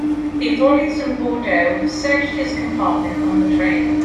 The authorities in Bordeaux have searched his compartment on the train.